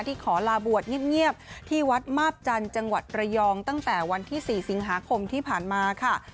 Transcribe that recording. ขอลาบวชเงียบที่วัดมาบจันทร์จังหวัดระยองตั้งแต่วันที่๔สิงหาคมที่ผ่านมาค่ะ